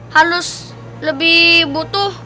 harus lebih butuh